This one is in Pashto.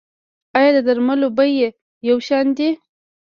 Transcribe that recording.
آیا د درملو بیې یو شان دي؟